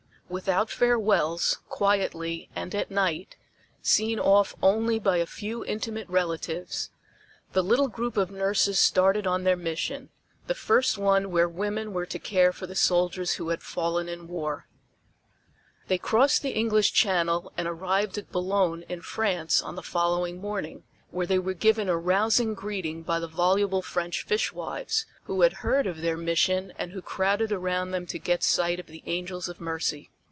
Without farewells, quietly and at night, seen off only by a few intimate relatives, the little group of nurses started on their mission the first one where women were to care for the soldiers who had fallen in war. They crossed the English Channel and arrived at Boulogne in France on the following morning, where they were given a rousing greeting by the voluble French fish wives, who had heard of their mission and who crowded around them to get a sight of the angels of mercy.